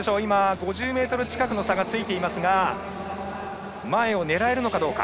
５０ｍ近くの差がついていますが前を狙えるか、どうか。